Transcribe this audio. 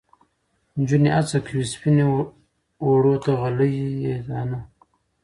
څېړونکي هڅه کوي سپینې اوړو ته غلې- دانه اضافه کړي.